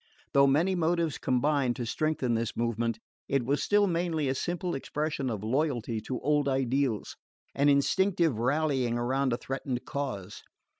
Though many motives combined to strengthen this movement, it was still mainly a simple expression of loyalty to old ideals, an instinctive rallying around a threatened cause.